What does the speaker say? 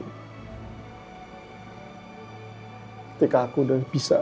ketika aku sudah bisa